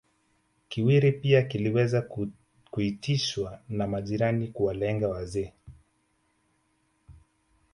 Kiwiri pia kiliweza kuitishwa na majirani kuwalenga wazee